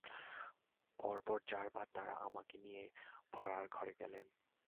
পরপর চারবার তারা আমাকে নিয়ে ভঁড়ার-ঘরে গেলেন।